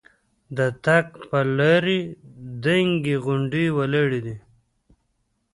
د تګ پر لارې دنګې غونډۍ ولاړې دي.